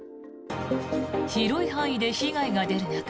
広い範囲で被害が出る中